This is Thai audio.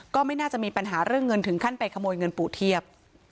ก็ไม่น่าจะมีปัญหาเรื่องเงินถึงขั้นไปขโมยเงินปู่เทียบ